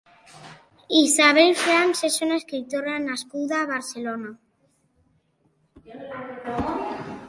Isabel Franc és una escriptora nascuda a Barcelona.